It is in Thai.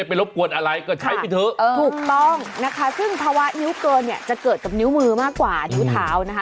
พันธาวะนิ้วเกินเนี่ยจะเกิดกับนิ้วมือมากกว่านิ้วเท้านะคะ